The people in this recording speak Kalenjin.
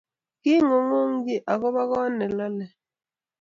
kiing'unyng'uny akobo koot nelolei